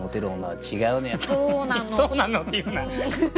「そうなの」って言うな！